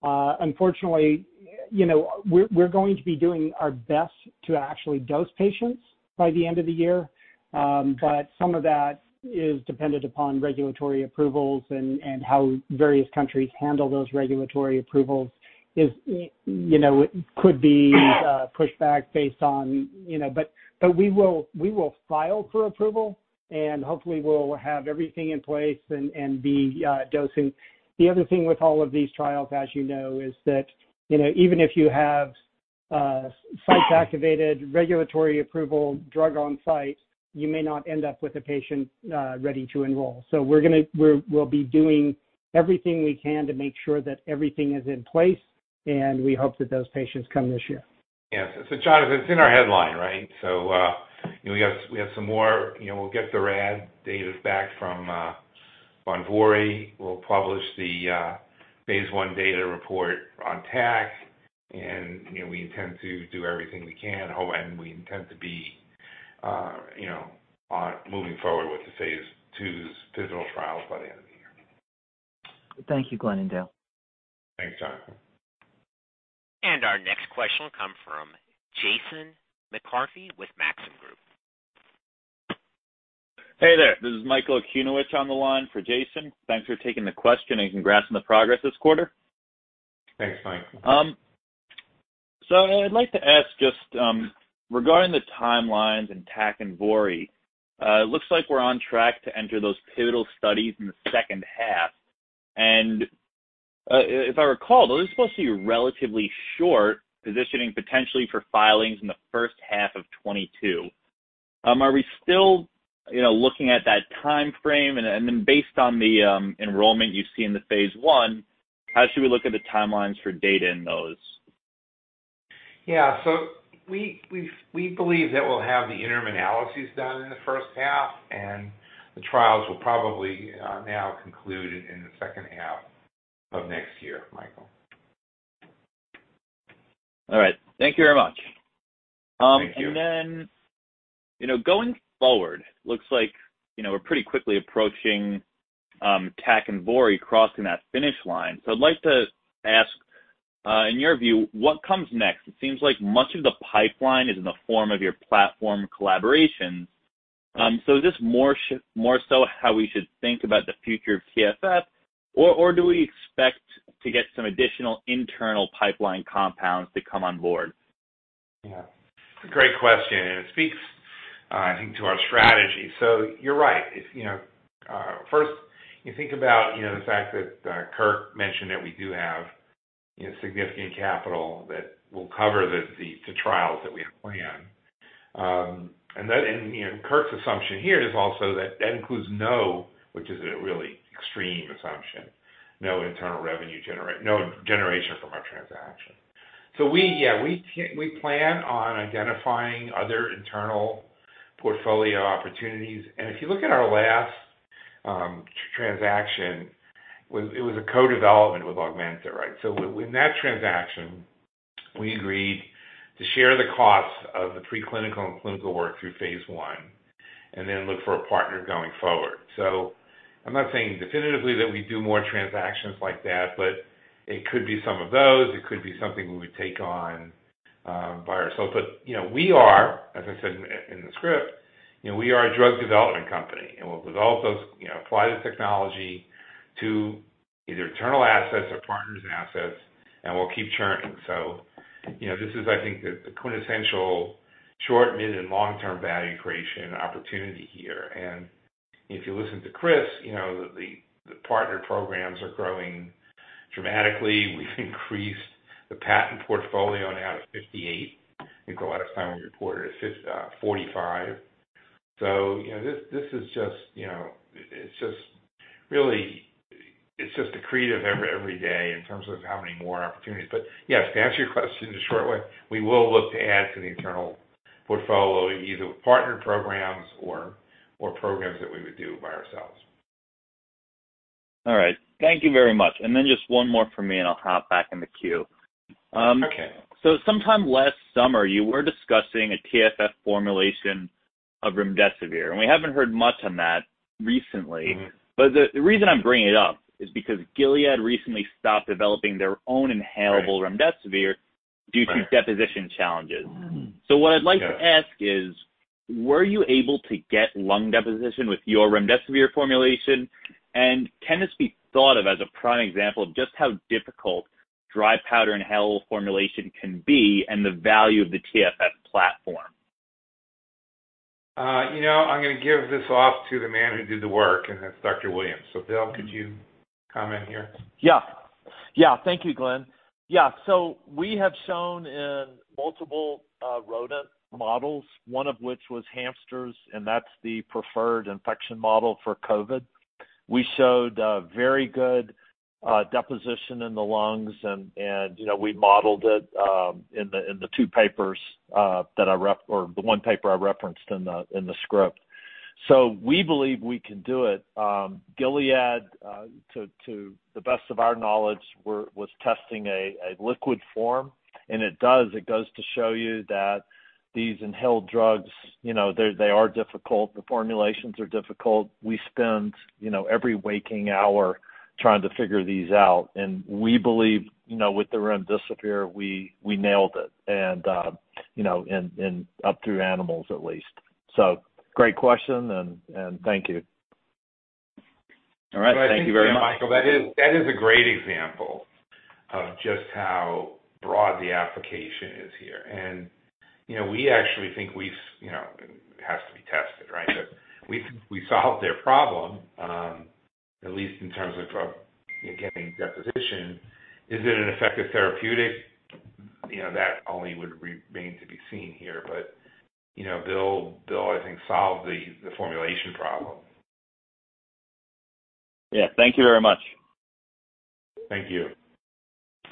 Unfortunately, we're going to be doing our best to actually dose patients by the end of the year. Some of that is dependent upon regulatory approvals and how various countries handle those regulatory approvals. We will file for approval, and hopefully we'll have everything in place and be dosing. The other thing with all of these trials, as you know, is that even if you have sites activated, regulatory approval, drug on site, you may not end up with a patient ready to enroll. We'll be doing everything we can to make sure that everything is in place, and we hope that those patients come this year. Yes. Jonathan, it's in our headline, right? We'll get the RAD data back from TFF VORI. We'll publish the phase I data report on TFF TAC, and we intend to do everything we can, and we intend to be moving forward with the phase II pivotal trials by the end of the year. Thank you, Glenn and Dale. Thanks, Jonathan. Our next question will come from Jason McCarthy with Maxim Group. Hey there. This is Michael Okunewitch on the line for Jason. Thanks for taking the question, and congrats on the progress this quarter. Thanks, Michael. I'd like to ask just regarding the timelines in TAC and VORI. It looks like we're on track to enter those pivotal studies in the second half. If I recall, those are supposed to be relatively short positioning potentially for filings in the first half of 2022. Are we still looking at that timeframe? Then based on the enrollment you see in the phase I, how should we look at the timelines for data in those? Yeah. We believe that we'll have the interim analyses done in the first half, and the trials will probably now conclude in the second half of next year, Michael. All right. Thank you very much. Thank you. Going forward, looks like we're pretty quickly approaching TAC and VORI crossing that finish line. I'd like to ask. In your view, what comes next? It seems like much of the pipeline is in the form of your platform collaborations. Is this more so how we should think about the future of TFF, or do we expect to get some additional internal pipeline compounds to come on board? It's a great question, and it speaks, I think, to our strategy. You're right. First, you think about the fact that Kirk mentioned that we do have significant capital that will cover the trials that we have planned. Kirk's assumption here is also that that includes no, which is a really extreme assumption, no internal revenue generation, no generation from our transaction. Yeah, we plan on identifying other internal portfolio opportunities. If you look at our last transaction, it was a co-development with Augmenta, right? In that transaction, we agreed to share the cost of the preclinical and clinical work through phase I and then look for a partner going forward. I'm not saying definitively that we do more transactions like that, but it could be some of those, it could be something we would take on by ourselves. We are, as I said in the script, we are a drug development company, and we'll develop those, apply the technology to either internal assets or partners' assets, and we'll keep churning. This is, I think, the quintessential short, mid, and long-term value creation opportunity here. If you listen to Chris, the partner programs are growing dramatically. We've increased the patent portfolio now to 58. I think the last time we reported it was 45. It's just really accretive every day in terms of how many more opportunities. Yes, to answer your question in a short way, we will look to add to the internal portfolio, either with partnered programs or programs that we would do by ourselves. All right. Thank you very much. Then just one more from me, and I'll hop back in the queue. Okay. Sometime last summer, you were discussing a TFF formulation of remdesivir, and we haven't heard much on that recently. The reason I'm bringing it up is because Gilead recently stopped developing their own inhalable remdesivir due to deposition challenges. What I'd like to ask is, were you able to get lung deposition with your remdesivir formulation? Can this be thought of as a prime example of just how difficult dry powder inhalable formulation can be and the value of the TFF platform? I'm going to give this off to the man who did the work, and that's Dr. Williams. Bill, could you comment here? Thank you, Glenn. We have shown in multiple rodent models, one of which was hamsters, and that's the preferred infection model for COVID. We showed very good deposition in the lungs and we modeled it in the two papers, the one paper I referenced in the script. We believe we can do it. Gilead, to the best of our knowledge, was testing a liquid form. It goes to show you that these inhaled drugs, they are difficult. The formulations are difficult. We spend every waking hour trying to figure these out. We believe, with the remdesivir, we nailed it, and up through animals at least. Great question, and thank you. All right. Thank you very much. Michael, that is a great example of just how broad the application is here. We actually think it has to be tested, right? We think we solved their problem, at least in terms of getting deposition. Is it an effective therapeutic? That only would remain to be seen here. Bill, I think, solved the formulation problem. Yeah. Thank you very much. Thank you.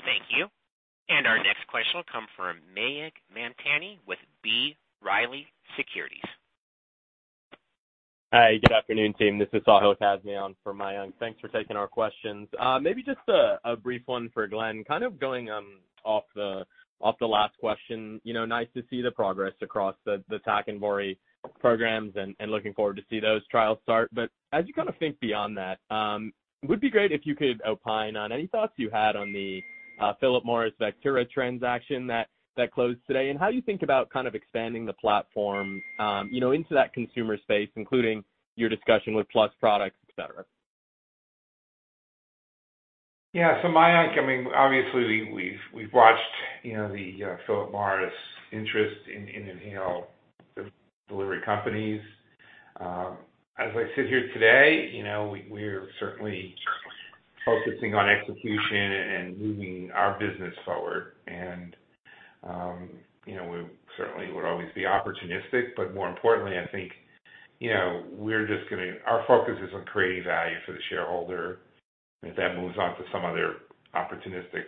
Thank you. Our next question will come from Mayank Mamtani with B. Riley Securities. Hi. Good afternoon, team. This is Sahil Kazmi on for Mamtani on for Mayank. Thanks for taking our questions. Maybe just a brief one for Glenn. Kind of going off the last question, nice to see the progress across the Tac and Vori programs and looking forward to see those trials start. As you kind of think beyond that, it would be great if you could opine on any thoughts you had on the Philip Morris-Vectura transaction that closed today, and how you think about kind of expanding the platform into that consumer space, including your discussion with PLUS Products, et cetera. Mayank, obviously, we've watched the Philip Morris interest in inhaled delivery companies. As I sit here today, we're certainly focusing on execution and moving our business forward. We certainly would always be opportunistic, but more importantly, I think our focus is on creating value for the shareholder. If that moves on to some other opportunistic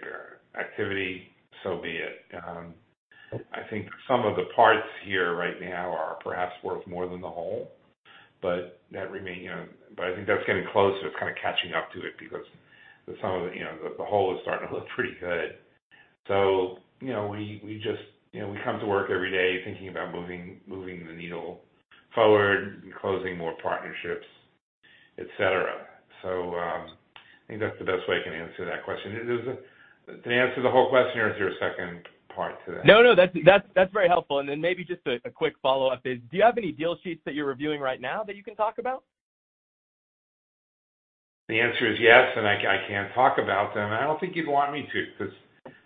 activity, so be it. I think some of the parts here right now are perhaps worth more than the whole. I think that's getting closer to kind of catching up to it because the whole is starting to look pretty good. We come to work every day thinking about moving the needle forward and closing more partnerships etc. I think that's the best way I can answer that question. Did I answer the whole question, or is there a second part to that? No, that's very helpful. Maybe just a quick follow-up is, do you have any deal sheets that you're reviewing right now that you can talk about? The answer is yes, I can't talk about them, and I don't think you'd want me to because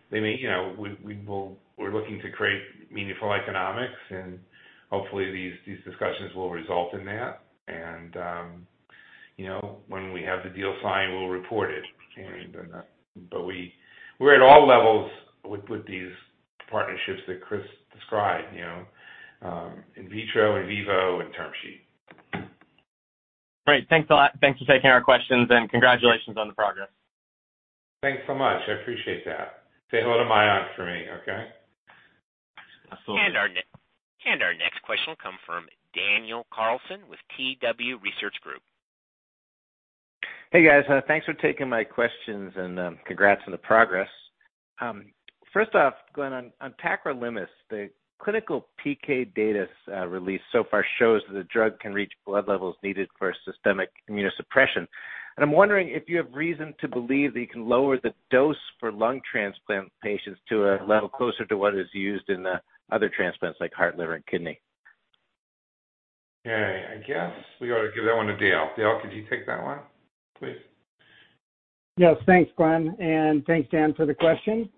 we're looking to create meaningful economics and hopefully these discussions will result in that. When we have the deal signed, we'll report it. We're at all levels with these partnerships that Chris described. In vitro, in vivo, and term sheet. Great. Thanks a lot. Thanks for taking our questions, and congratulations on the progress. Thanks so much. I appreciate that. Say hello to Mayank for me, okay? Absolutely. Our next question will come from Daniel Carlson with TW Research Group. Hey, guys. Thanks for taking my questions and congrats on the progress. First off, Glenn, on tacrolimus, the clinical PK data released so far shows that the drug can reach blood levels needed for systemic immunosuppression. I'm wondering if you have reason to believe that you can lower the dose for lung transplant patients to a level closer to what is used in the other transplants like heart, liver, and kidney? Okay. I guess we ought to give that one to Dale. Dale, could you take that one, please? Yes. Thanks, Glenn, and thanks, Dan, for the question.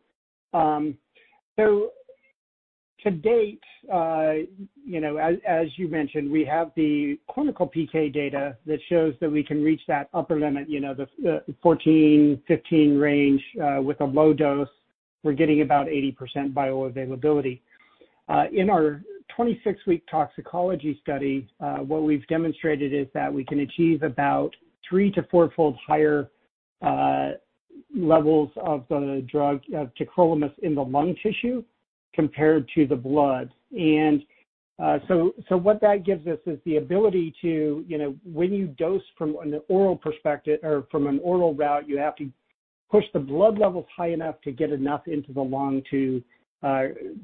To date, as you mentioned, we have the clinical PK data that shows that we can reach that upper limit, the 14-15 range with a low dose. We're getting about 80% bioavailability. In our 26-week toxicology study, what we've demonstrated is that we can achieve about three to four-fold higher levels of the drug tacrolimus in the lung tissue compared to the blood. What that gives us is the ability to, when you dose from an oral route, you have to push the blood levels high enough to get enough into the lung to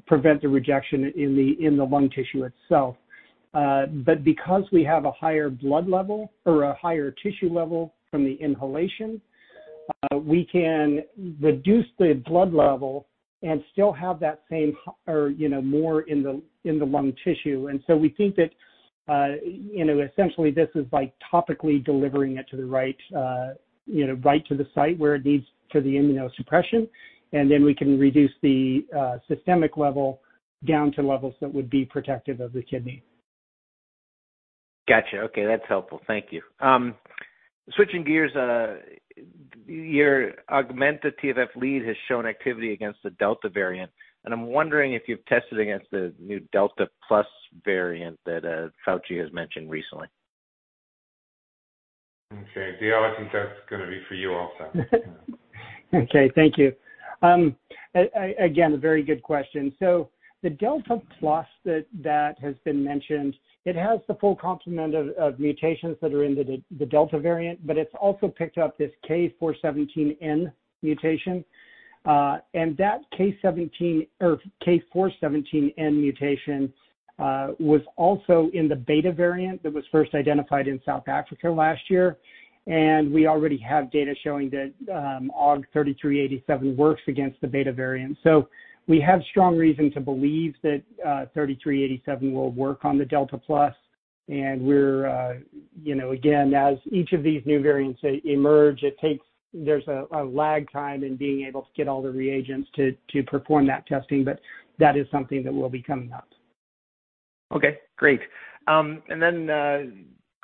prevent the rejection in the lung tissue itself. Because we have a higher blood level or a higher tissue level from the inhalation, we can reduce the blood level and still have that same or more in the lung tissue. We think that essentially this is like topically delivering it right to the site where it needs for the immunosuppression, and then we can reduce the systemic level down to levels that would be protective of the kidney. Got you. Okay. That's helpful. Thank you. Switching gears, your Augmenta TFF lead has shown activity against the Delta variant, and I'm wondering if you've tested against the new Delta plus variant that Fauci has mentioned recently. Okay. Dale, I think that's going to be for you also. Okay. Thank you. Again, a very good question. The Delta plus that has been mentioned, it has the full complement of mutations that are in the Delta variant, but it's also picked up this K417N mutation. That K417N mutation was also in the Beta variant that was first identified in South Africa last year, and we already have data showing that AUG-3387 works against the Beta variant. We have strong reason to believe that AUG-3387 will work on the Delta plus. Again, as each of these new variants emerge, there's a lag time in being able to get all the reagents to perform that testing, but that is something that will be coming up. Okay, great. Glenn,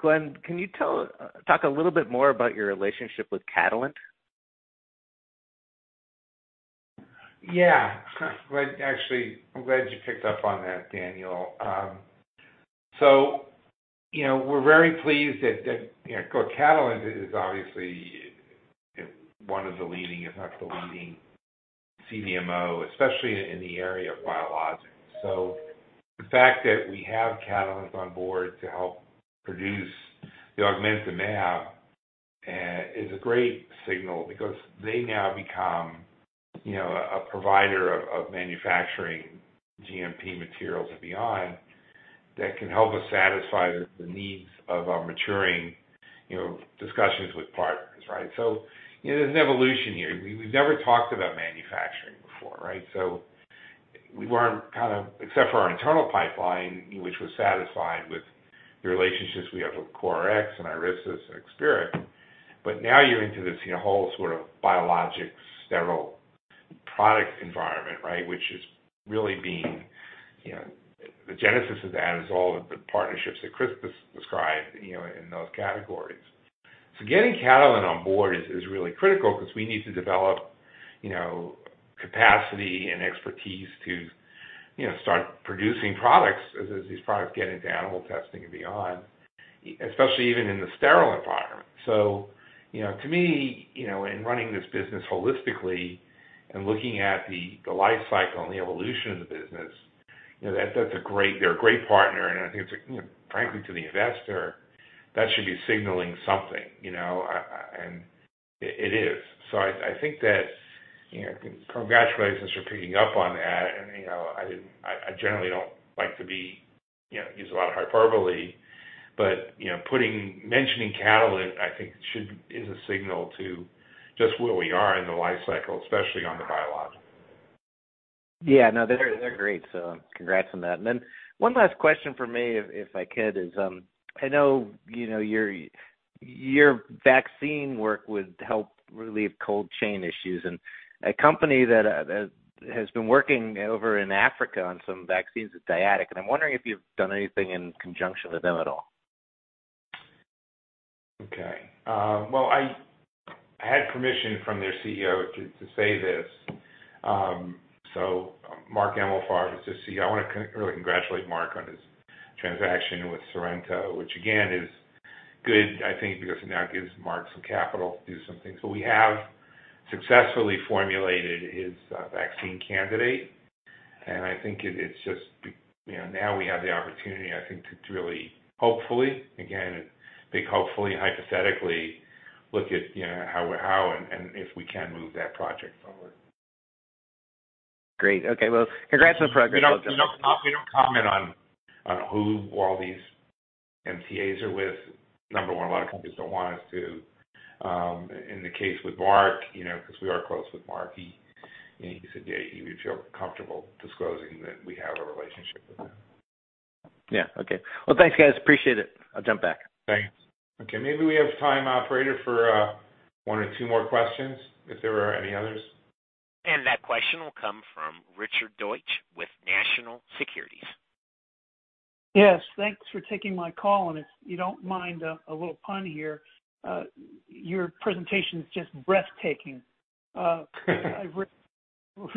can you talk a little bit more about your relationship with Catalent? Yeah. Actually, I'm glad you picked up on that, Daniel. We're very pleased that Catalent is obviously one of the leading, if not the leading CDMO, especially in the area of biologics. The fact that we have Catalent on board to help produce the Augmenta mAb is a great signal because they now become a provider of manufacturing GMP materials and beyond that can help us satisfy the needs of our maturing discussions with partners, right? There's an evolution here. We've never talked about manufacturing before, right? Except for our internal pipeline, which was satisfied with the relationships we have with CoreRx and IriSys, and Experic, but now you're into this whole sort of biologic sterile product environment, right? The genesis of that is all of the partnerships that Chris described in those categories. Getting Catalent on board is really critical because we need to develop capacity and expertise to start producing products as these products get into animal testing and beyond, especially even in the sterile environment. To me, in running this business holistically and looking at the life cycle and the evolution of the business, they're a great partner, and I think frankly to the investor, that should be signaling something. It is. I think that, congrats, for picking up on that. I generally don't like to use a lot of hyperbole, but mentioning Catalent, I think, is a signal to just where we are in the life cycle, especially on the biologics. They're great. Congrats on that. One last question from me, if I could, is I know your vaccine work would help relieve cold chain issues, and a company that has been working over in Africa on some vaccines is Dyadic, and I am wondering if you've done anything in conjunction with them at all. Okay. Well, I had permission from their CEO to say this. Mark Emalfarb was the CEO. I want to really congratulate Mark on his transaction with Sorrento, which again, is good, I think, because it now gives Mark some capital to do some things. We have successfully formulated his vaccine candidate, and I think it's just now we have the opportunity, I think, to really hopefully, again, hopefully, hypothetically, look at how and if we can move that project forward. Great. Okay. Well, congrats on the progress. We don't comment on who all these MTAs are with. Number one, a lot of companies don't want us to. In the case with Mark, because we are close with Mark, he said, yeah, we feel comfortable disclosing that we have a relationship with them. Yeah. Okay. Well, thanks, guys. Appreciate it. I'll jump back. Thanks. Okay. Maybe we have time, operator, for one or two more questions, if there are any others. That question will come from Richard Deutsch with National Securities. Yes. Thanks for taking my call, and if you don't mind a little pun here, your presentation's just breathtaking. I've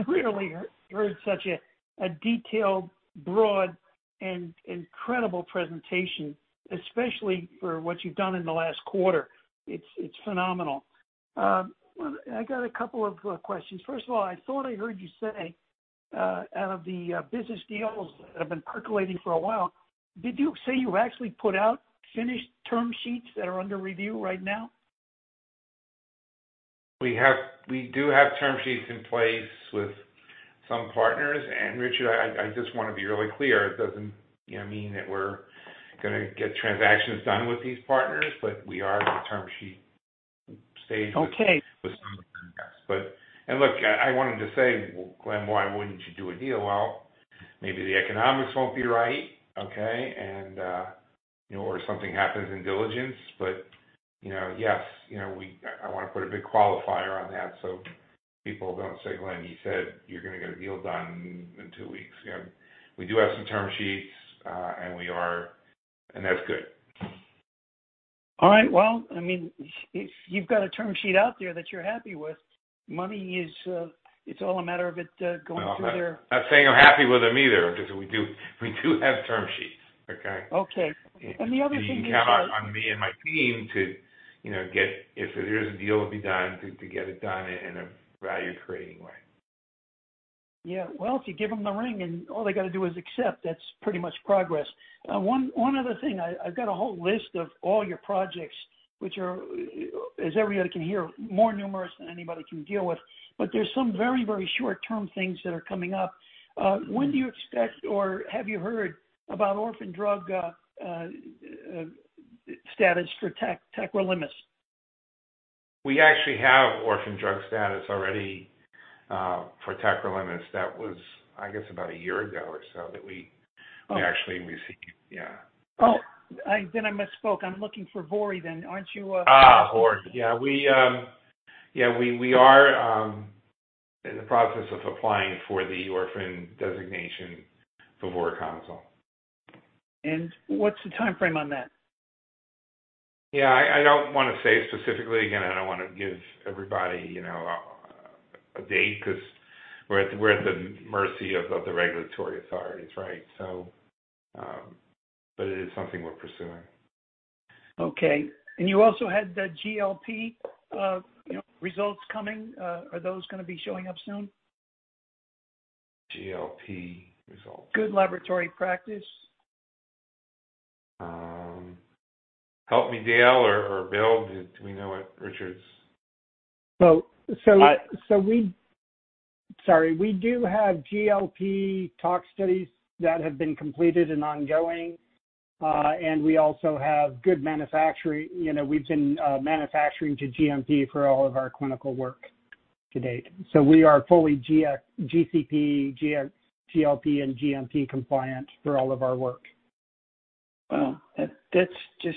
rarely heard such a detailed, broad, and incredible presentation, especially for what you've done in the last quarter. It's phenomenal. I got a couple of questions. First of all, I thought I heard you say, out of the business deals that have been percolating for a while, did you say you actually put out finished term sheets that are under review right now? We do have term sheets in place with some partners. Richard, I just want to be really clear, it doesn't mean that we're going to get transactions done with these partners, but we are at the term sheet stage. Okay Look, I wanted to say, Glenn, why wouldn't you do a deal? Well, maybe the economics won't be right, okay? Something happens in diligence. Yes, I want to put a big qualifier on that so people don't say, Glenn, he said you're gonna get a deal done in two weeks. We do have some term sheets. That's good. All right. Well, if you've got a term sheet out there that you're happy with, money is all a matter of it going through there. I'm not saying I'm happy with them either, I'm just saying we do have term sheets. Okay? Okay. The other thing is. You can count on me and my team to, if there is a deal to be done, to get it done in a value-creating way. Yeah. Well, if you give them the ring and all they got to do is accept, that's pretty much progress. One other thing, I've got a whole list of all your projects, which are, as everybody can hear, more numerous than anybody can deal with, but there's some very short-term things that are coming up. When do you expect, or have you heard about orphan drug status for tacrolimus? We actually have orphan drug status already for tacrolimus. That was, I guess, about a year ago or so that we actually received, yeah. Oh, then I misspoke. I'm looking for VORI then. Vori. We are in the process of applying for the orphan designation for voriconazole. What's the timeframe on that? Yeah, I don't want to say specifically. Again, I don't want to give everybody a date because we're at the mercy of the regulatory authorities, right? It is something we're pursuing. Okay. You also had the GLP results coming. Are those going to be showing up soon? GLP results. Good laboratory practice. Help me, Dale or Bill. Do we know what? Sorry. We do have GLP tox studies that have been completed and ongoing. We also have good manufacturing. We've been manufacturing to GMP for all of our clinical work to date. We are fully GCP, GLP, and GMP compliant for all of our work. Wow. That's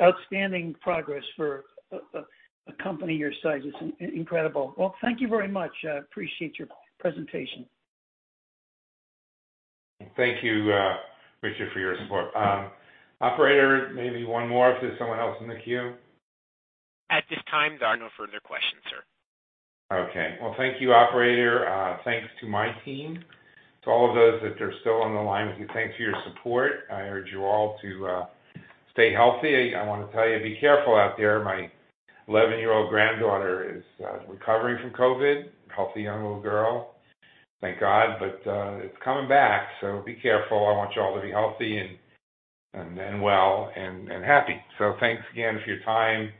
outstanding progress for a company your size. It's incredible. Well, thank you very much. I appreciate your presentation. Thank you, Richard, for your support. Operator, maybe one more if there is someone else in the queue. At this time, there are no further questions, sir. Well, thank you, operator. Thanks to my team. To all of those that are still on the line with me, thanks for your support. I urge you all to stay healthy. I want to tell you, be careful out there. My 11-year-old granddaughter is recovering from COVID. Healthy, young little girl, thank God. It's coming back, so be careful. I want you all to be healthy and well and happy. Thanks again for your time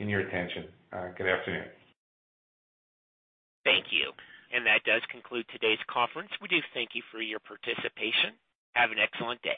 and your attention. Good afternoon. Thank you. That does conclude today's conference. We do thank you for your participation. Have an excellent day.